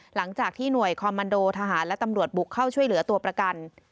หลังจากที่หน่วยคอมมันโดทหารและตำรวจบุกเข้าช่วยเหลือตัวประกัน